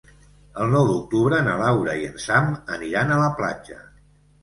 El nou d'octubre na Laura i en Sam aniran a la platja.